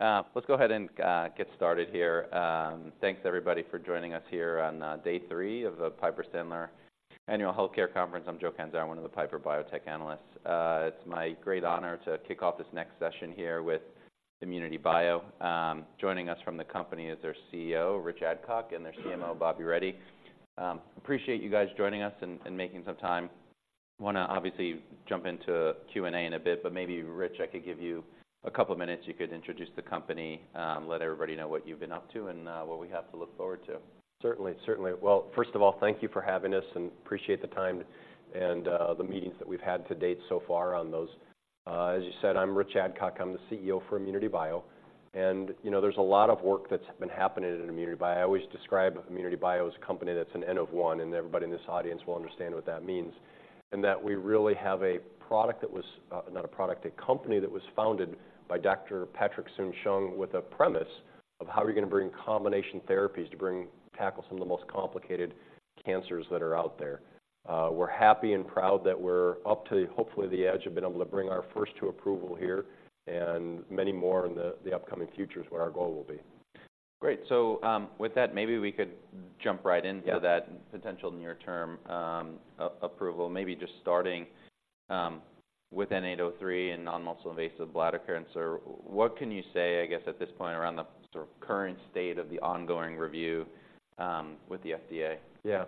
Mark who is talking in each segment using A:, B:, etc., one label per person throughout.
A: Let's go ahead and get started here. Thanks, everybody, for joining us here on day three of the Piper Sandler Annual Healthcare Conference. I'm Joe Catanzaro, one of the Piper Biotech analysts. It's my great honor to kick off this next session here with ImmunityBio. Joining us from the company is their CEO, Rich Adcock, and their CMO, Bobby Reddy. Appreciate you guys joining us and making some time. Wanna obviously jump into Q&A in a bit, but maybe, Rich, I could give you a couple of minutes. You could introduce the company, let everybody know what you've been up to and what we have to look forward to.
B: Certainly, certainly. Well, first of all, thank you for having us, and appreciate the time and the meetings that we've had to date so far on those. As you said, I'm Rich Adcock. I'm the CEO for ImmunityBio. And, you know, there's a lot of work that's been happening at ImmunityBio. I always describe ImmunityBio as a company that's an N of one, and everybody in this audience will understand what that means. And that we really have a product that was, not a product, a company that was founded by Dr. Patrick Soon-Shiong with a premise of: How are we gonna bring combination therapies to tackle some of the most complicated cancers that are out there? We're happy and proud that we're up to, hopefully, the edge of being able to bring our first to approval here and many more in the upcoming futures, what our goal will be.
A: Great. So, with that, maybe we could jump right into-
B: Yeah
A: that potential near-term approval. Maybe just starting with N-803 and non-muscle invasive bladder cancer. What can you say, I guess, at this point, around the sort of current state of the ongoing review with the FDA?
B: Yeah.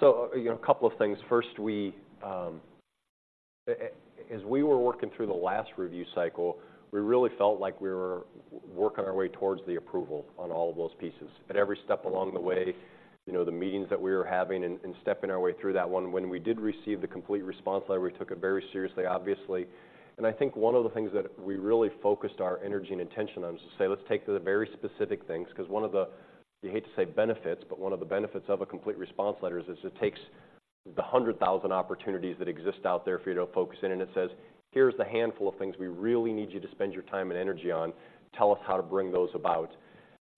B: So, you know, a couple of things. First, we, as we were working through the last review cycle, we really felt like we were working our way towards the approval on all of those pieces. At every step along the way, you know, the meetings that we were having and, and stepping our way through that one, when we did receive the complete response letter, we took it very seriously, obviously. And I think one of the things that we really focused our energy and intention on was to say, "Let's take the very specific things," 'cause one of the... You hate to say benefits, but one of the benefits of a complete response letter is it takes the 100,000 opportunities that exist out there for you to focus in, and it says, "Here's the handful of things we really need you to spend your time and energy on. Tell us how to bring those about."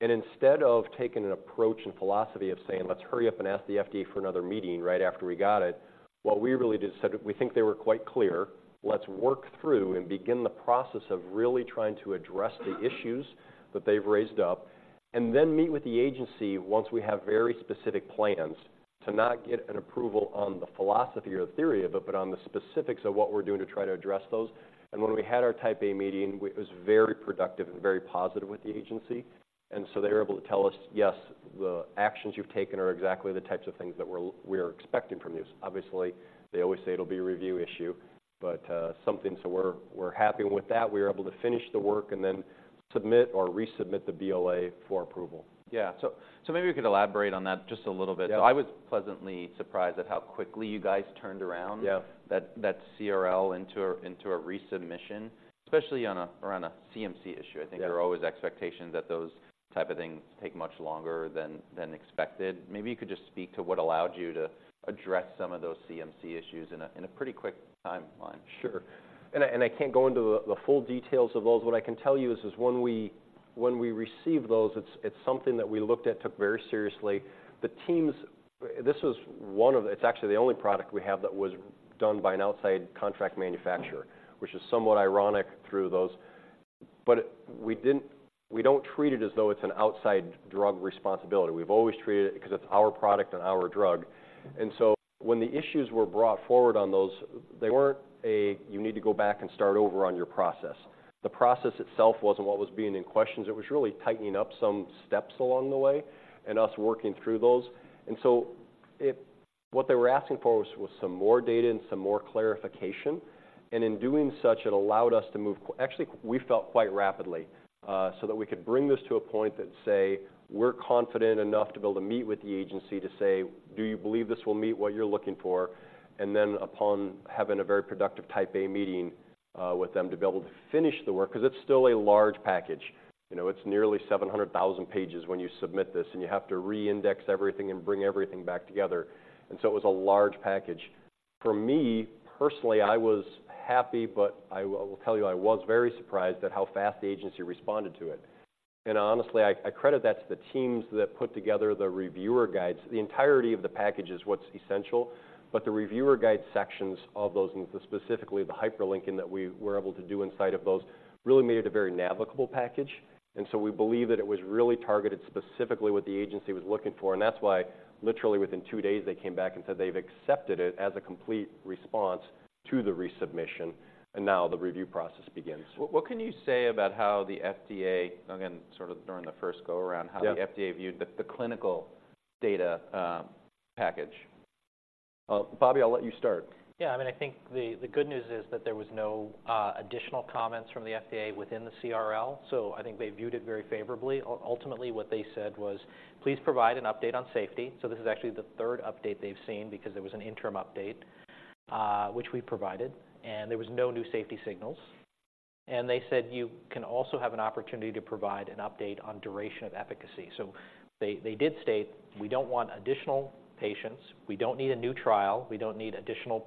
B: And instead of taking an approach and philosophy of saying, "Let's hurry up and ask the FDA for another meeting" right after we got it, what we really did is said, "We think they were quite clear. Let's work through and begin the process of really trying to address the issues that they've raised up, and then meet with the agency once we have very specific plans to not get an approval on the philosophy or theory of it, but on the specifics of what we're doing to try to address those." And when we had our Type A meeting, it was very productive and very positive with the agency. And so they were able to tell us, "Yes, the actions you've taken are exactly the types of things that we're we're expecting from you." Obviously, they always say it'll be a review issue, but something so we're, we're happy with that. We were able to finish the work and then submit or resubmit the BLA for approval.
A: Yeah. So, maybe you could elaborate on that just a little bit.
B: Yeah.
A: I was pleasantly surprised at how quickly you guys turned around-
B: Yeah...
A: that CRL into a resubmission, especially around a CMC issue.
B: Yeah.
A: I think there are always expectations that those type of things take much longer than expected. Maybe you could just speak to what allowed you to address some of those CMC issues in a pretty quick timeline.
B: Sure. And I can't go into the full details of those. What I can tell you is when we received those, it's something that we looked at, took very seriously. The teams... This was one of the—it's actually the only product we have that was done by an outside contract manufacturer, which is somewhat ironic through those. But we don't treat it as though it's an outside drug responsibility. We've always treated it, because it's our product and our drug. And so when the issues were brought forward on those, they weren't, "You need to go back and start over on your process." The process itself wasn't what was being in question. It was really tightening up some steps along the way and us working through those. What they were asking for was some more data and some more clarification, and in doing such, it allowed us to move actually, we felt, quite rapidly, so that we could bring this to a point that say, "We're confident enough to be able to meet with the agency to say, 'Do you believe this will meet what you're looking for?'" And then, upon having a very productive Type A meeting with them, to be able to finish the work, 'cause it's still a large package. You know, it's nearly 700,000 pages when you submit this, and you have to reindex everything and bring everything back together, and so it was a large package. For me, personally, I was happy, but I will tell you, I was very surprised at how fast the agency responded to it. And honestly, I credit that to the teams that put together the reviewer guides. The entirety of the package is what's essential, but the reviewer guide sections of those, and specifically the hyperlinking that we were able to do inside of those, really made it a very navigable package. And so we believe that it was really targeted specifically what the agency was looking for, and that's why literally within two days, they came back and said they've accepted it as a complete response to the resubmission, and now the review process begins.
A: What can you say about how the FDA, again, sort of during the first go-around?
B: Yeah...
A: how the FDA viewed the clinical data package?
B: Bobby, I'll let you start.
C: Yeah. I mean, I think the good news is that there was no additional comments from the FDA within the CRL, so I think they viewed it very favorably. Ultimately, what they said was, "Please provide an update on safety." So this is actually the third update they've seen because there was an interim update, which we provided, and there was no new safety signals. And they said, "You can also have an opportunity to provide an update on duration of efficacy." So they did state: We don't want additional patients. We don't need a new trial. We don't need additional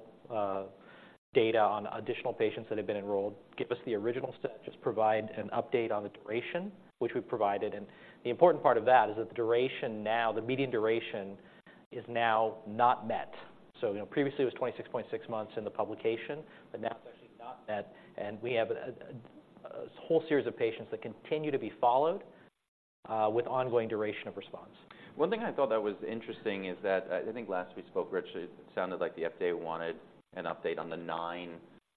C: data on additional patients that have been enrolled. Give us the original study, just provide an update on the duration, which we've provided. And the important part of that is that the duration now, the median duration is now not met. So, you know, previously it was 26.6 months in the publication, but now it's actually not met, and we have a whole series of patients that continue to be followed with ongoing duration of response.
A: One thing I thought that was interesting is that I, I think last we spoke, Rich, it sounded like the FDA wanted an update on the nine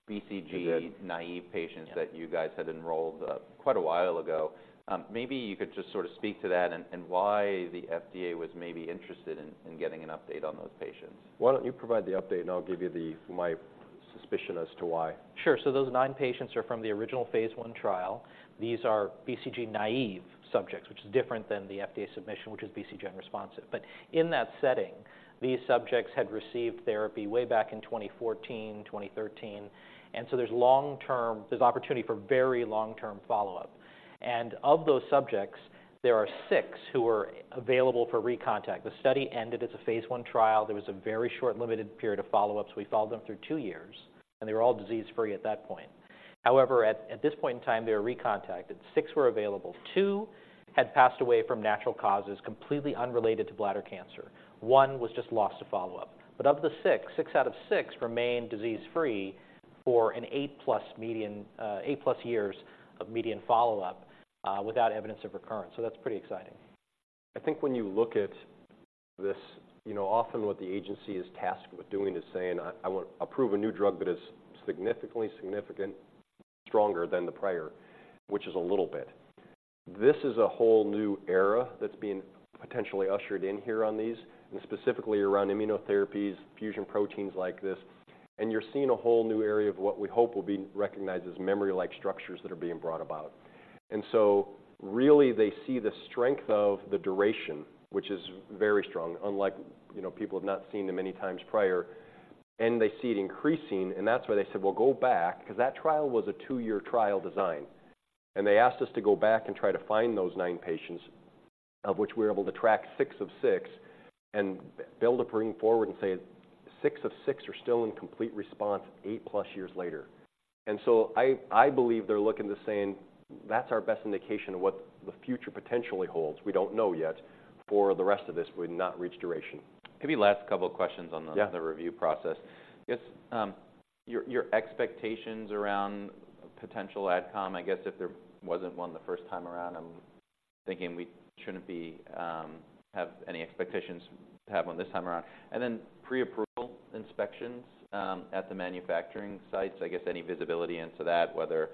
A: BCG-
C: We did
A: naive patients
C: Yeah
A: - that you guys had enrolled quite a while ago. Maybe you could just sort of speak to that, and why the FDA was maybe interested in getting an update on those patients.
B: Why don't you provide the update, and I'll give you my suspicion as to why?
C: Sure. So those nine patients are from the original phase I trial. These are BCG-naive subjects, which is different than the FDA submission, which is BCG unresponsive. But in that setting, these subjects had received therapy way back in 2014, 2013, and so there's long-term opportunity for very long-term follow-up. And of those subjects, there are six who are available for recontact. The study ended as a phase I trial. There was a very short limited period of follow-ups. We followed them through two years, and they were all disease-free at that point. However, at this point in time, they were recontacted. Six were available. Two had passed away from natural causes, completely unrelated to bladder cancer. One was just lost to follow-up. Of the six, six out of six remain disease-free for an 8+ median, 8+ years of median follow-up, without evidence of recurrence, so that's pretty exciting.
B: I think when you look at this, you know, often what the agency is tasked with doing is saying, "I want to approve a new drug that is significantly stronger than the prior," which is a little bit. This is a whole new era that's being potentially ushered in here on these, and specifically around immunotherapies, fusion proteins like this, and you're seeing a whole new area of what we hope will be recognized as memory-like structures that are being brought about. And so really, they see the strength of the duration, which is very strong, unlike, you know, people have not seen them many times prior, and they see it increasing, and that's why they said, "Well, go back," 'cause that trial was a two-year trial design. They asked us to go back and try to find those nine patients, of which we were able to track six of six and be able to bring forward and say, "Six of six are still in complete response 8+ years later." So I, I believe they're looking to saying, "That's our best indication of what the future potentially holds." We don't know yet, for the rest of this, we've not reached duration.
A: Maybe last couple of questions on the-
B: Yeah...
C: the review process. I guess, your, your expectations around potential AdCom, I guess, if there wasn't one the first time around, I'm thinking we shouldn't be... have any expectations to have one this time around. And then pre-approval inspections, at the manufacturing sites, I guess any visibility into that, whether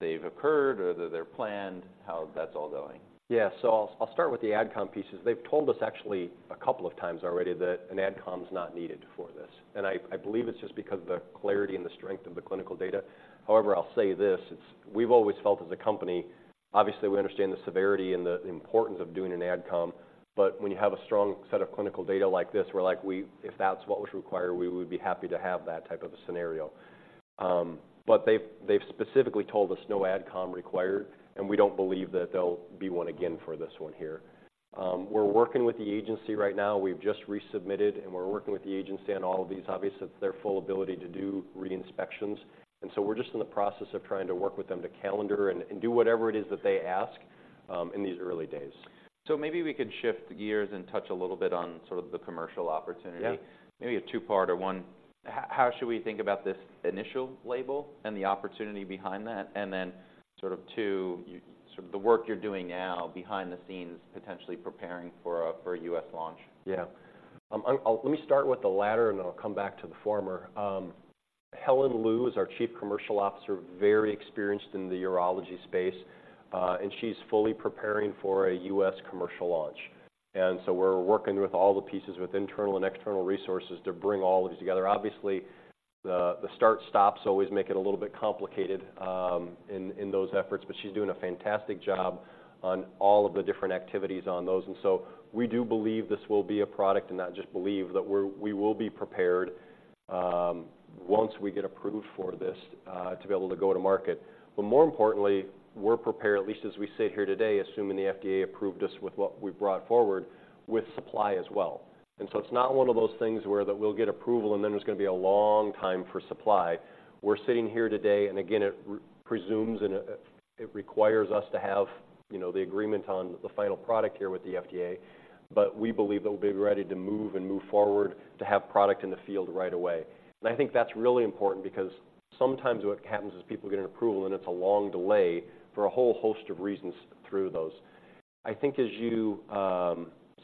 C: they've occurred or whether they're planned, how that's all going?
B: Yeah, so I'll start with the AdCom pieces. They've told us actually a couple of times already that an AdCom not needed for this, and I believe it's just because of the clarity and the strength of the clinical data. However, I'll say this: It's. We've always felt as a company, obviously, we understand the severity and the importance of doing an AdCom, but when you have a strong set of clinical data like this, we're like, we "If that's what was required, we would be happy to have that type of a scenario." But they've specifically told us no AdCom required, and we don't believe that there'll be one again for this one here. We're working with the agency right now. We've just resubmitted, and we're working with the agency on all of these. Obviously, it's their full ability to do re-inspections, and so we're just in the process of trying to work with them to calendar and do whatever it is that they ask in these early days.
A: Maybe we could shift gears and touch a little bit on sort of the commercial opportunity.
B: Yeah.
A: Maybe a two-parter one. How should we think about this initial label and the opportunity behind that? And then, sort of two, sort of the work you're doing now behind the scenes, potentially preparing for a U.S. launch.
B: Yeah. Let me start with the latter, and then I'll come back to the former. Helen Luu is our Chief Commercial Officer, very experienced in the urology space, and she's fully preparing for a U.S. commercial launch. And so we're working with all the pieces, with internal and external resources, to bring all of these together. Obviously, the start-stops always make it a little bit complicated, in those efforts, but she's doing a fantastic job on all of the different activities on those. And so we do believe this will be a product, and not just believe, that we will be prepared, once we get approved for this, to be able to go to market. But more importantly, we're prepared, at least as we sit here today, assuming the FDA approved us with what we brought forward, with supply as well. And so it's not one of those things where that we'll get approval, and then there's gonna be a long time for supply. We're sitting here today, and again, it presumes and, it requires us to have, you know, the agreement on the final product here with the FDA, but we believe that we'll be ready to move and move forward to have product in the field right away. And I think that's really important because sometimes what happens is people get an approval, and it's a long delay for a whole host of reasons through those. I think as you.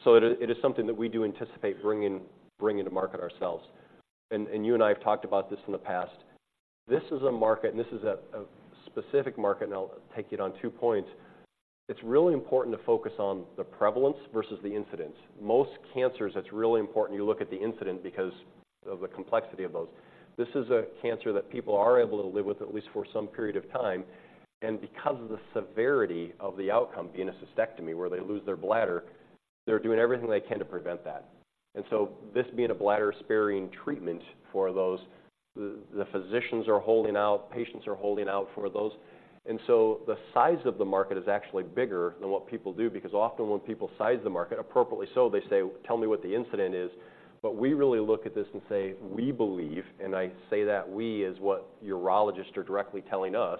B: So it is, it is something that we do anticipate bringing, bringing to market ourselves. And you and I have talked about this in the past. This is a market, and this is a specific market, and I'll take it on two points. It's really important to focus on the prevalence versus the incidence. Most cancers, it's really important you look at the incidence because of the complexity of those. This is a cancer that people are able to live with, at least for some period of time, and because of the severity of the outcome, being a cystectomy, where they lose their bladder, they're doing everything they can to prevent that. And so this being a bladder-sparing treatment for those, the physicians are holding out, patients are holding out for those. And so the size of the market is actually bigger than what people do, because often when people size the market, appropriately so, they say, "Tell me what the incidence is." But we really look at this and say, we believe, and I say that we, is what urologists are directly telling us,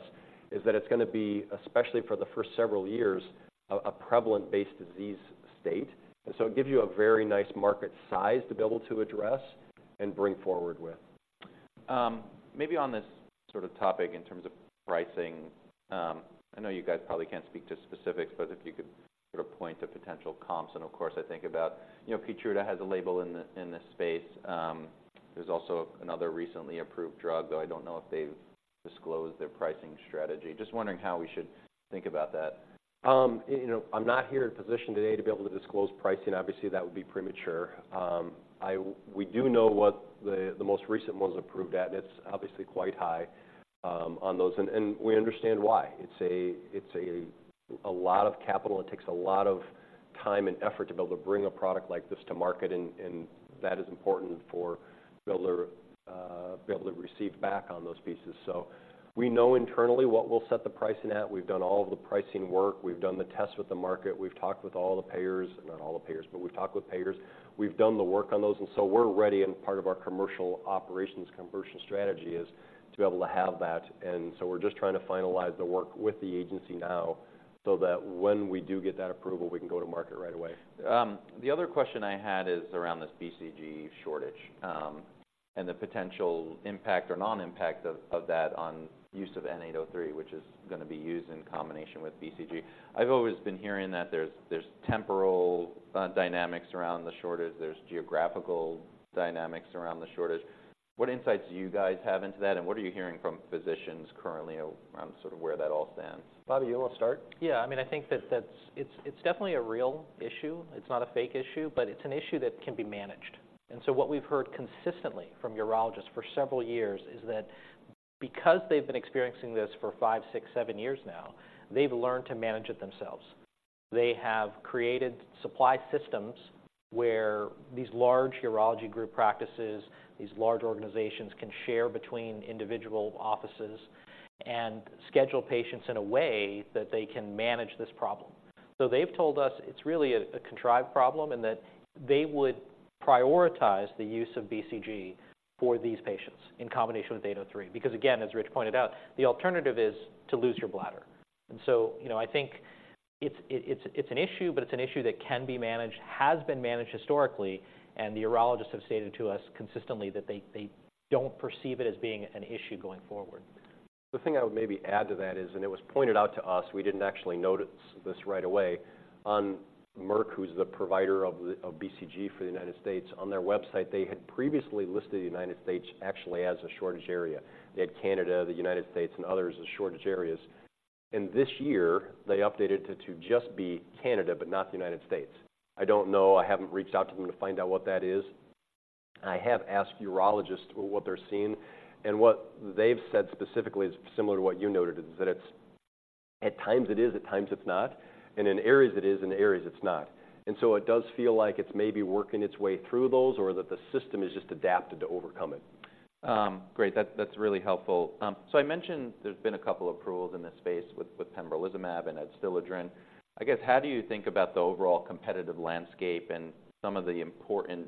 B: is that it's going to be, especially for the first several years, a prevalent base disease state. And so it gives you a very nice market size to be able to address and bring forward with.
A: Maybe on this sort of topic in terms of pricing, I know you guys probably can't speak to specifics, but if you could sort of point to potential comps. And of course, I think about, you know, Keytruda has a label in the, in this space. There's also another recently approved drug, though I don't know if they've disclosed their pricing strategy. Just wondering how we should think about that.
B: You know, I'm not here in a position today to be able to disclose pricing. Obviously, that would be premature. We do know what the most recent ones approved at, and it's obviously quite high on those, and we understand why. It's a lot of capital. It takes a lot of time and effort to be able to bring a product like this to market, and that is important for be able to be able to receive back on those pieces. So we know internally what we'll set the pricing at. We've done all of the pricing work. We've done the tests with the market. We've talked with all the payers, not all the payers, but we've talked with payers. We've done the work on those, and so we're ready, and part of our commercial operations, commercial strategy is to be able to have that. And so we're just trying to finalize the work with the agency now, so that when we do get that approval, we can go to market right away.
A: The other question I had is around this BCG shortage, and the potential impact or non-impact of that on use of N-803, which is going to be used in combination with BCG. I've always been hearing that there's temporal dynamics around the shortage, there's geographical dynamics around the shortage. What insights do you guys have into that, and what are you hearing from physicians currently on sort of where that all stands?
B: Bobby, you want to start?
C: Yeah. I mean, I think that's it. It's definitely a real issue. It's not a fake issue, but it's an issue that can be managed. So what we've heard consistently from urologists for several years is that because they've been experiencing this for five, six, seven years now, they've learned to manage it themselves. They have created supply systems where these large urology group practices, these large organizations, can share between individual offices and schedule patients in a way that they can manage this problem. So they've told us it's really a contrived problem and that they would prioritize the use of BCG for these patients in combination with N-803. Because, again, as Rich pointed out, the alternative is to lose your bladder. And so, you know, I think it's an issue, but it's an issue that can be managed, has been managed historically, and the urologists have stated to us consistently that they don't perceive it as being an issue going forward.
B: The thing I would maybe add to that is, and it was pointed out to us, we didn't actually notice this right away, on Merck, who's the provider of the, of BCG for the United States, on their website, they had previously listed the United States actually as a shortage area. They had Canada, the United States, and others as shortage areas. This year, they updated it to just be Canada, but not the United States. I don't know. I haven't reached out to them to find out what that is. I have asked urologists what they're seeing, and what they've said specifically is similar to what you noted, is that it's... at times it is, at times it's not, and in areas it is, and in areas it's not. And so it does feel like it's maybe working its way through those or that the system is just adapted to overcome it.
A: Great. That's, that's really helpful. So I mentioned there's been a couple approvals in this space with, with pembrolizumab and Adstiladrin. I guess, how do you think about the overall competitive landscape and some of the important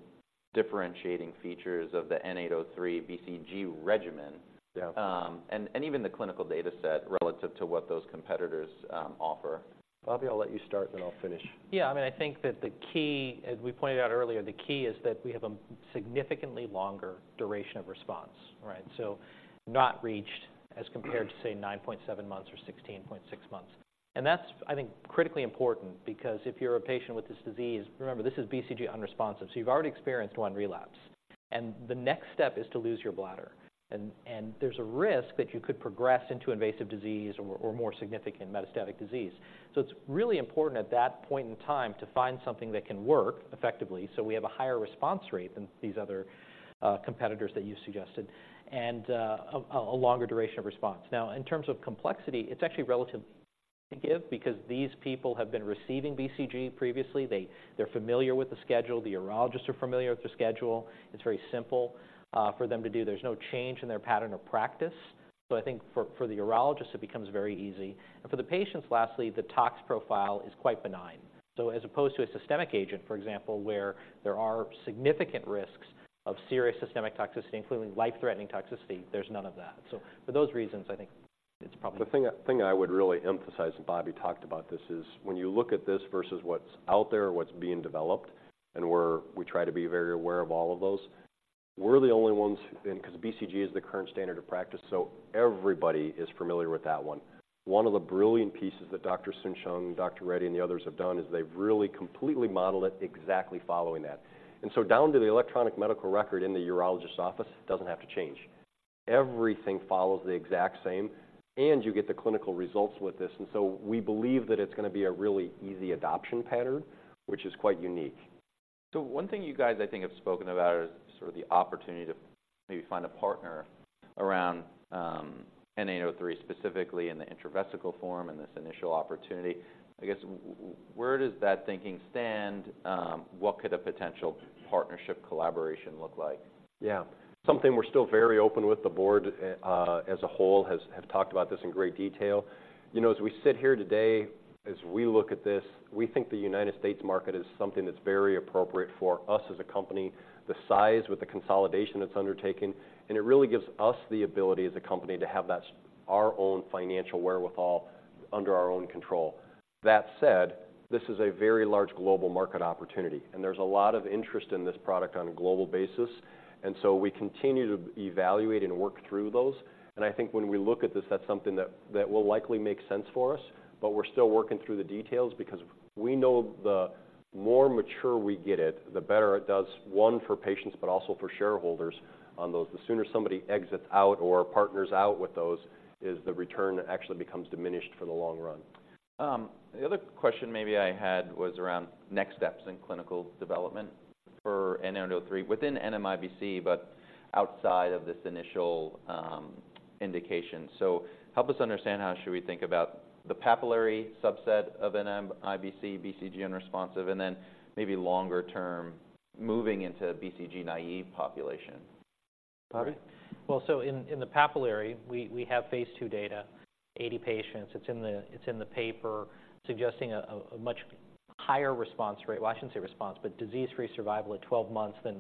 A: differentiating features of the N-803 BCG regimen?
B: Yeah...
A: and even the clinical data set relative to what those competitors offer?
B: Bobby, I'll let you start, then I'll finish.
C: Yeah. I mean, I think that the key, as we pointed out earlier, the key is that we have a significantly longer duration of response, right? So not reached, as compared to, say, 9.7 months or 16.6 months. And that's, I think, critically important because if you're a patient with this disease, remember, this is BCG unresponsive, so you've already experienced one relapse, and the next step is to lose your bladder. And there's a risk that you could progress into invasive disease or more significant metastatic disease. So it's really important at that point in time to find something that can work effectively. So we have a higher response rate than these other competitors that you suggested, and a longer duration of response. Now, in terms of complexity, it's actually relatively given because these people have been receiving BCG previously. They're familiar with the schedule, the urologists are familiar with the schedule. It's very simple for them to do. There's no change in their pattern or practice. So I think for the urologists, it becomes very easy. And for the patients, lastly, the tox profile is quite benign. So as opposed to a systemic agent, for example, where there are significant risks of serious systemic toxicity, including life-threatening toxicity, there's none of that. So for those reasons, I think it's probably-
B: The thing I would really emphasize, and Bobby talked about this, is when you look at this versus what's out there or what's being developed, and we try to be very aware of all of those. We're the only ones... and because BCG is the current standard of practice, so everybody is familiar with that one. One of the brilliant pieces that Dr. Soon-Shiong, Dr. Reddy, and the others have done is they've really completely modeled it exactly following that. And so down to the electronic medical record in the urologist office, it doesn't have to change. Everything follows the exact same, and you get the clinical results with this. And so we believe that it's going to be a really easy adoption pattern, which is quite unique.
A: So one thing you guys, I think, have spoken about is sort of the opportunity to maybe find a partner around N-803, specifically in the intravesical form and this initial opportunity. I guess, where does that thinking stand? What could a potential partnership collaboration look like?
B: Yeah. Something we're still very open with. The board, as a whole, has talked about this in great detail. You know, as we sit here today, as we look at this, we think the United States market is something that's very appropriate for us as a company, the size with the consolidation it's undertaking, and it really gives us the ability as a company to have that, our own financial wherewithal under our own control. That said, this is a very large global market opportunity, and there's a lot of interest in this product on a global basis. And so we continue to evaluate and work through those. I think when we look at this, that's something that will likely make sense for us, but we're still working through the details because we know the more mature we get it, the better it does, one, for patients, but also for shareholders on those. The sooner somebody exits out or partners out with those, is the return actually becomes diminished for the long run.
A: The other question maybe I had was around next steps in clinical development for N-803 within NMIBC, but outside of this initial indication. So help us understand, how should we think about the papillary subset of NMIBC, BCG-unresponsive, and then maybe longer term, moving into BCG-naive population?
B: Bobby?
C: Well, so in the papillary, we have phase II data, 80 patients. It's in the paper suggesting a much higher response rate. Well, I shouldn't say response, but disease-free survival at 12 months than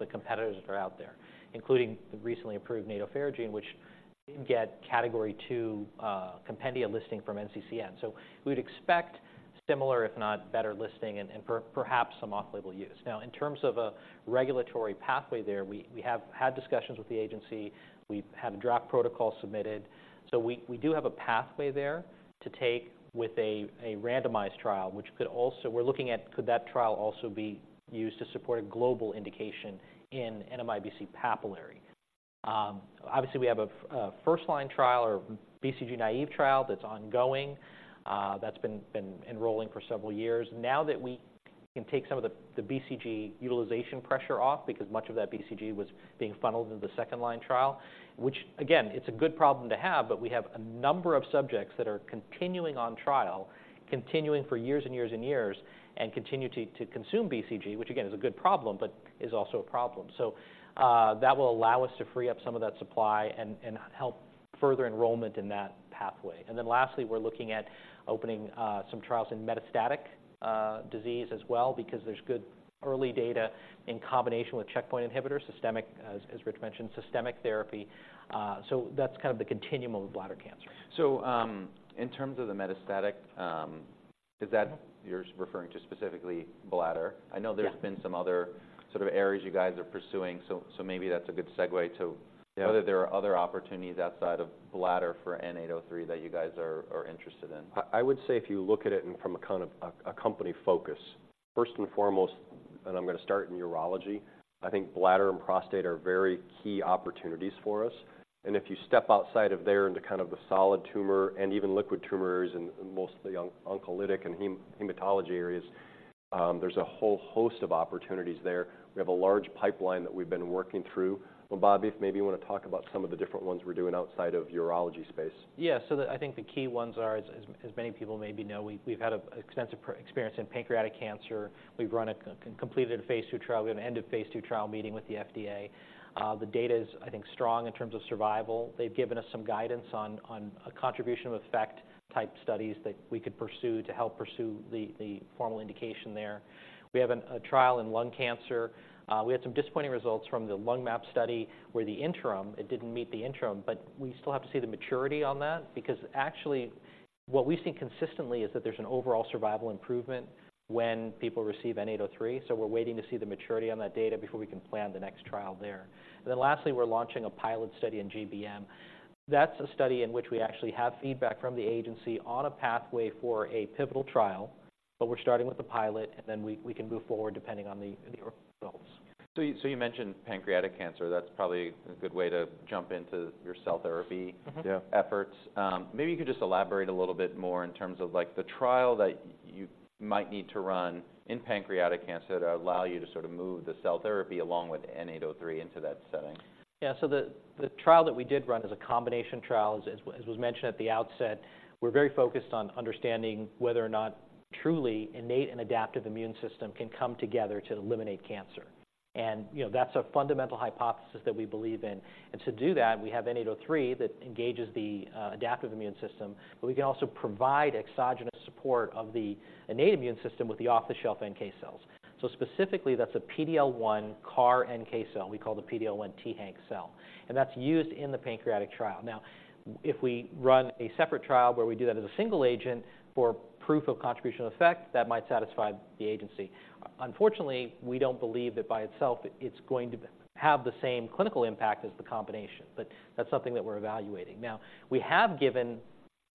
C: the competitors that are out there, including the recently approved nadofaragene, which did get Category 2 compendia listing from NCCN. So we'd expect similar, if not better, listing and perhaps some off-label use. Now, in terms of a regulatory pathway there, we have had discussions with the agency. We've had a draft protocol submitted. So we do have a pathway there to take with a randomized trial, which could also... We're looking at could that trial also be used to support a global indication in NMIBC papillary. Obviously, we have a first-line trial or BCG-naive trial that's ongoing, that's been enrolling for several years. Now that we can take some of the BCG utilization pressure off because much of that BCG was being funneled into the second-line trial, which again, it's a good problem to have, but we have a number of subjects that are continuing on trial, continuing for years and years and years, and continue to consume BCG, which again, is a good problem, but is also a problem. So, that will allow us to free up some of that supply and help further enrollment in that pathway. And then lastly, we're looking at opening some trials in metastatic disease as well, because there's good early data in combination with checkpoint inhibitors, systemic, as Rich mentioned, systemic therapy. So that's kind of the continuum of bladder cancer.
A: In terms of the metastatic, is that you're referring to specifically bladder?
C: Yeah.
A: I know there's been some other sort of areas you guys are pursuing, so maybe that's a good segue to-
C: Yeah...
A: whether there are other opportunities outside of bladder for N-803 that you guys are interested in.
B: I would say if you look at it from a kind of a company focus, first and foremost, and I'm gonna start in urology, I think bladder and prostate are very key opportunities for us. And if you step outside of there into kind of the solid tumor and even liquid tumors and mostly oncolytic and hematology areas, there's a whole host of opportunities there. We have a large pipeline that we've been working through. Well, Bobby, maybe you wanna talk about some of the different ones we're doing outside of urology space.
C: Yeah. So, I think the key ones are, as many people maybe know, we've had an extensive experience in pancreatic cancer. We've completed a phase II trial. We have an end-of-phase II trial meeting with the FDA. The data is, I think, strong in terms of survival. They've given us some guidance on a contribution of effect type studies that we could pursue to help pursue the formal indication there. We have a trial in lung cancer. We had some disappointing results from the Lung-MAP study, where the interim, it didn't meet the interim, but we still have to see the maturity on that, because actually, what we've seen consistently is that there's an overall survival improvement when people receive N-803. We're waiting to see the maturity on that data before we can plan the next trial there. Then lastly, we're launching a pilot study in GBM. That's a study in which we actually have feedback from the agency on a pathway for a pivotal trial, but we're starting with the pilot, and then we can move forward depending on the results.
A: So you mentioned pancreatic cancer. That's probably a good way to jump into your cell therapy-
C: Mm-hmm.
B: Yeah...
A: efforts. Maybe you could just elaborate a little bit more in terms of, like, the trial that you might need to run in pancreatic cancer to allow you to sort of move the cell therapy along with N-803 into that setting?
C: Yeah. So the trial that we did run is a combination trial, as was mentioned at the outset. We're very focused on understanding whether or not truly innate and adaptive immune system can come together to eliminate cancer. And, you know, that's a fundamental hypothesis that we believe in. And to do that, we have N-803, that engages the adaptive immune system, but we can also provide exogenous support of the innate immune system with the off-the-shelf NK cells. So specifically, that's a PD-L1 CAR NK cell. We call the PD-L1 t-haNK cell, and that's used in the pancreatic trial. Now, if we run a separate trial where we do that as a single agent for proof of contribution effect, that might satisfy the agency. Unfortunately, we don't believe that by itself it's going to have the same clinical impact as the combination, but that's something that we're evaluating. Now, we have given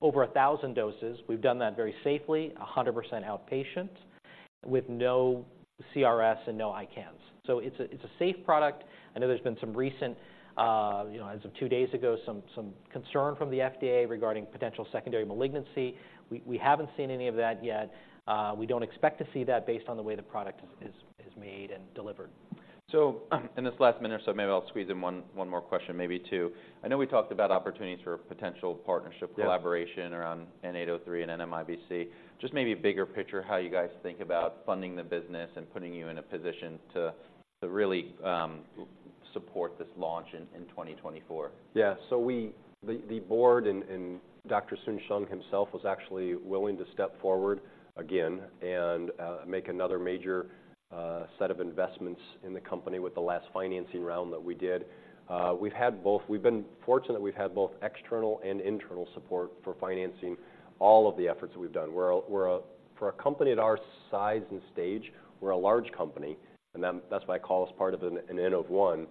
C: over 1,000 doses. We've done that very safely, 100% outpatient, with no CRS and no ICANS. So it's a safe product. I know there's been some recent, you know, as of two days ago, some concern from the FDA regarding potential secondary malignancy. We haven't seen any of that yet. We don't expect to see that based on the way the product is made and delivered.
A: In this last minute or so, maybe I'll squeeze in one, one more question, maybe two. I know we talked about opportunities for potential partnership-
B: Yeah...
A: collaboration around N-803 and NMIBC. Just maybe a bigger picture, how you guys think about funding the business and putting you in a position to really support this launch in 2024?
B: Yeah. So the board and Dr. Soon-Shiong himself was actually willing to step forward again and make another major set of investments in the company with the last financing round that we did. We've had both. We've been fortunate we've had both external and internal support for financing all of the efforts we've done. For a company at our size and stage, we're a large company, and that's why I call us part of an N of one.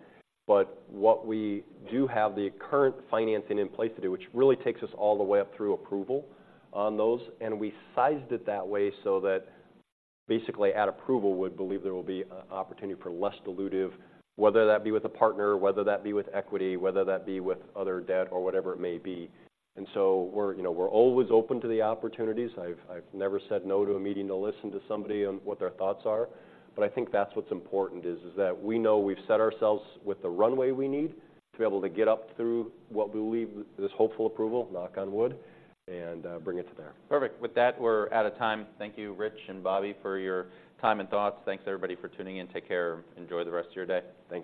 B: But what we do have the current financing in place to do, which really takes us all the way up through approval on those, and we sized it that way so that basically at approval, we believe there will be an opportunity for less dilutive, whether that be with a partner, whether that be with equity, whether that be with other debt or whatever it may be. And so we're, you know, we're always open to the opportunities. I've, I've never said no to a meeting to listen to somebody on what their thoughts are. But I think that's what's important, is, is that we know we've set ourselves with the runway we need to be able to get up through what we believe, this hopeful approval, knock on wood, and bring it to there.
A: Perfect. With that, we're out of time. Thank you, Rich and Bobby, for your time and thoughts. Thanks, everybody, for tuning in. Take care, enjoy the rest of your day. Thank you.